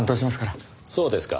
そうですか。